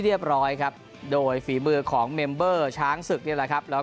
เรียบร้อยครับโดยฝีมือของเมมเบอร์ช้างศึกนี่แหละครับแล้ว